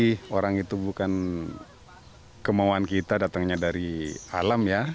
jadi orang itu bukan kemauan kita datangnya dari alam ya